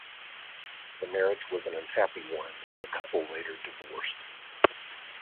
The marriage was an unhappy one and the couple later divorced.